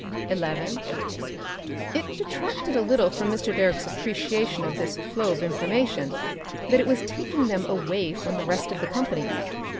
Section 11 It detracted a little from Mr. Direck's appreciation of this flow of information that it was taking them away from the rest of the company.